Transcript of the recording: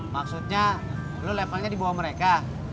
maksudnya dulu levelnya di bawah mereka